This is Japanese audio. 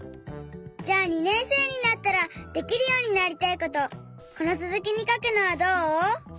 じゃあ２年生になったらできるようになりたいことこのつづきにかくのはどう？